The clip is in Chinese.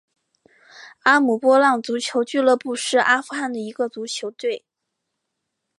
阿姆波浪足球俱乐部是阿富汗的一个足球队。